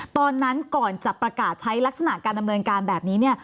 ตอนนั้นก่อนจะประกาศใช้ลักษณะการดำเนินการแบบนี้